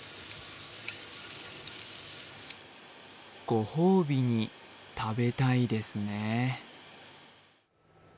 ご褒美に食べたいですね。